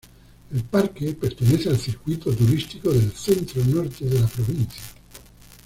El parque pertenece al circuito turístico del centro-norte de la provincia.